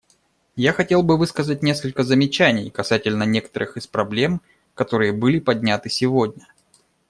Я хотел бы высказать несколько замечаний касательно некоторых из проблем, которые были подняты сегодня.